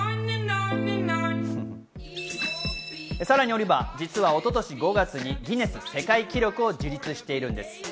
さらにオリバー、実は一昨年５月にギネス世界記録を樹立しているんです。